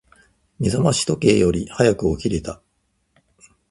目覚まし時計より早く起きれた。